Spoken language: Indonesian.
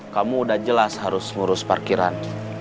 kamu udah jelas harus ngurus parkiran